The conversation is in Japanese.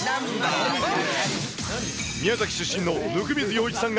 宮崎出身の温水洋一さん